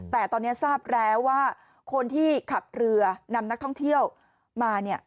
แต่ตอนนี้ทราบแล้วว่าคนที่ขับเรือนำนักท่องเที่ยวมาเนี่ย